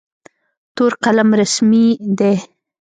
تور قلم رسمي دی.